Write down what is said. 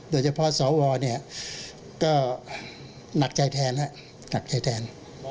โดยเฉพาะสอวอลก็หนักใจแทน